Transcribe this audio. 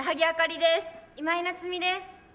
今井菜津美です。